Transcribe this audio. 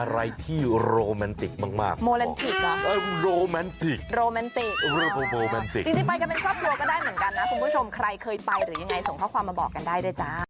อะไรที่โรแมนติกมากโมเลนทิกเหรอโรแมนติกโรแมนติกโรโมแมนติกจริงไปกันเป็นครอบครัวก็ได้เหมือนกันนะคุณผู้ชมใครเคยไปหรือยังไงส่งข้อความมาบอกกันได้ด้วยจ้า